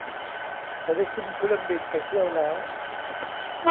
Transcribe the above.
จะได้ขึ้นเครื่องบินไปเที่ยวแล้ว